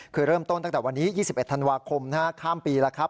คือเริ่มต้นตั้งแต่วันนี้๒๑ธันวาคมข้ามปีแล้วครับ